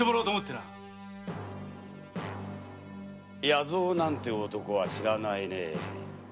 「弥蔵」なんて知らないね。